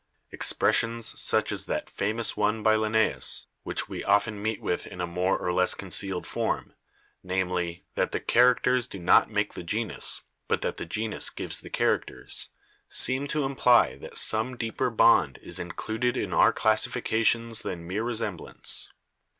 Expressions such as that famous one by Linnaeus, which we often meet with in a more or less concealed form, namely, that the characters do not make the genus, but that the genus gives the characters, seem to imply that some deeper bond is included in our classifications than mere resemblance.